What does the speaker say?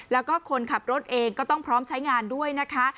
แล้วก็คนขับรถเองก็ต้องพร้อมใช้งานด้วยนะคะ